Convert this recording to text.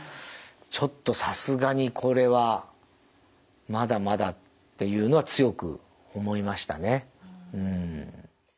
ちょっとさすがにこれはまだまだっていうのは強く思いましたね。